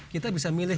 kita bisa memilih